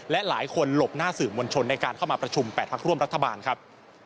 และหลายคนหลบหน้าสื่อมวลชนในการเข้ามาประชุม๘พักร่วมรัฐบาลครับ